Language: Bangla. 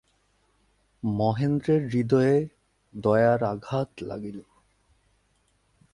মহেন্দ্রের হৃদয়ে দয়ার আঘাত লাগিল।